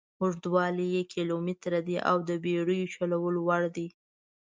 اوږدوالی یې کیلومتره دي او د بېړیو چلولو وړ دي.